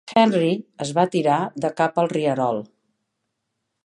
Henry es va tirar de cap al rierol.